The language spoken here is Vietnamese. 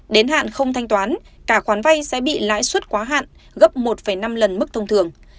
đến hạn không thanh toán cả khoản vay sẽ bị lãi suất quá hạn gấp một năm lần mức thông thường